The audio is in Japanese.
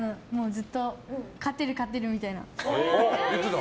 ずっと勝てる勝てるみたいな。